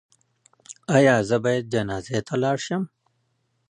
ایا زه باید جنازې ته لاړ شم؟